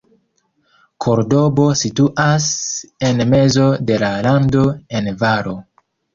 Kordobo situas en mezo de la lando en valo.